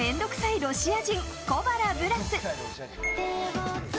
ロシア人小原ブラス。